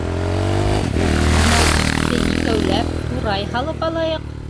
Бынау итте икәүләп турай һалып алайыҡ.